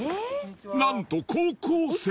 なんと高校生！